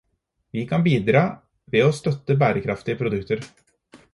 Vi kan bidra ved å støtte bærekraftige produkter.